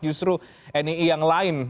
justru nii yang lain